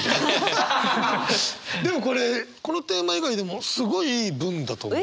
でもこれこのテーマ以外でもすごいいい文だと思う。